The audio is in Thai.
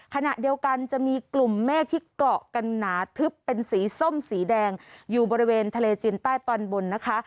ขณะเดียวกันจะมีกลุ่มเมฆที่เกาะกันหนาทึบเป็นสีส้มสีแดงอยู่บริเวณทะเลจีนใต้ตอนบนนะคะ